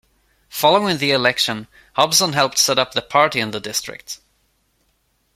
Following the election, Hobson helped set up the party in the District.